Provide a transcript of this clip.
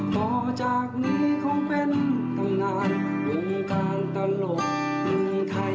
ต่อจากนี้คงเป็นต้านานลงกาลตะหลวกทรึงไทย